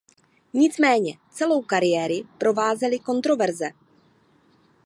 Nicméně celou kariéry provázely kontroverze.